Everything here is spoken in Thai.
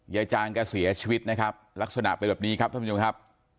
จางแกเสียชีวิตนะครับลักษณะเป็นแบบนี้ครับท่านผู้ชมครับ